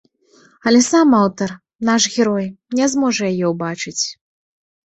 Але сам аўтар, наш герой, не зможа яе ўбачыць.